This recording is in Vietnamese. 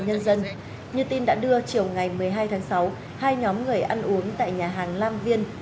nhân dân như tin đã đưa chiều ngày một mươi hai tháng sáu hai nhóm người ăn uống tại nhà hàng lam viên